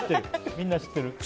みんな知ってる。